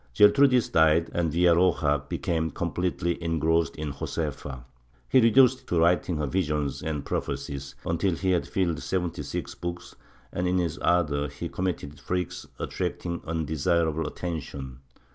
Gertrudis died and Villa roja became completely engrossed in Josefa. He reduced to writing her visions and prophecies, until he had filled seventy six books and, in his ardor, he committed freaks attracting unde sirable attention.